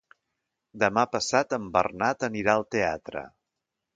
Demà passat en Bernat anirà al teatre.